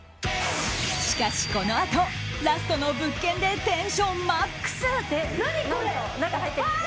しかし、このあとラストの物件でテンションマックス。